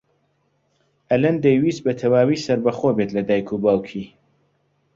ئەلەند دەیویست بەتەواوی سەربەخۆ بێت لە دایک و باوکی.